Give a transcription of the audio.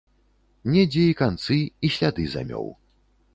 Недзе і канцы і сляды замёў.